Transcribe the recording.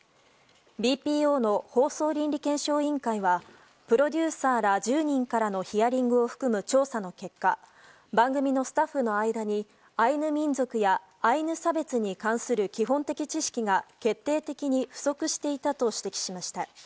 ＢＰＯの放送倫理検証委員会はプロデューサーら１０人からのヒアリングを含む調査の結果番組のスタッフの間にアイヌ民族やアイヌ差別に関する基本的知識が決定的に不足していたと指摘しました。